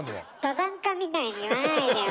登山家みたいに言わないでよ